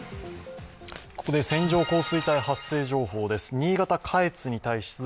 ここで線状降水帯発生情報です。